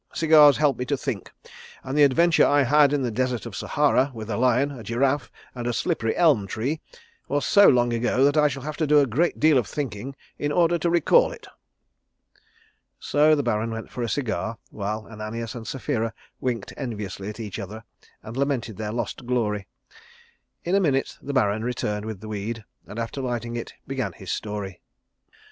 Cigars help me to think, and the adventure I had in the Desert of Sahara with a lion, a giraffe, and a slippery elm tree was so long ago that I shall have to do a great deal of thinking in order to recall it." So the Baron went for a cigar, while Ananias and Sapphira winked enviously at each other and lamented their lost glory. In a minute the Baron returned with the weed, and after lighting it, began his story.